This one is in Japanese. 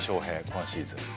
今シーズン。